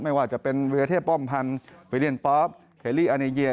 ไม่ว่าจะเป็นวิรเทพป้อมพันธ์วิเดียนป๊อปเคลลี่อาเนเยีย